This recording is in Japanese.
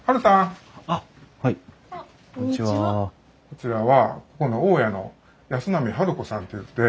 こちらはここの大家の安波治子さんっていって。